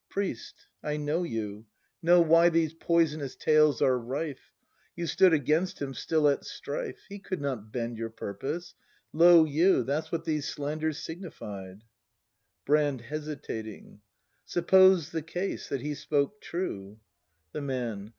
Priest, I know you; Know, why these poisonous tales are rife; You stood against him still at strife; He could not bend your purpose; — lo, you, That's what these slanders signified Brand. [Hesitating.] Suppose the case — that he spoke true? The Man.